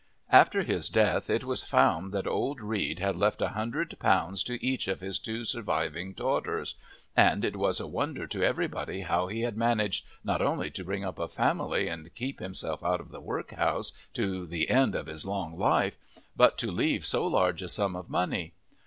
After his death it was found that old Reed had left a hundred pounds to each of his two surviving daughters, and it was a wonder to everybody how he had managed not only to bring up a family and keep himself out of the workhouse to the end of his long life, but to leave so large a sum of money.